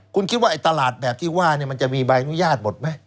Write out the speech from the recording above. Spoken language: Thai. คุณคิดว่าไอ้ตลาดแบบที่ว่ามันจะมีใบอนุญาตหมดไหม